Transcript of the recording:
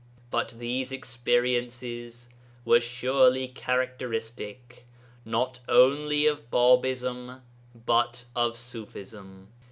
But these experiences were surely characteristic, not only of Bābism, but of Ṣufism.